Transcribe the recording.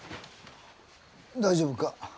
大丈夫か？